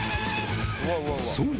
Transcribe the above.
そう！